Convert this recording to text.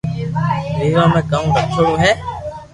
ويوا ۾ ڪاو رکيآوڙو ھي